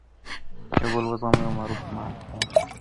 يو بل وزغمئ او معروف معاشرت وکړئ.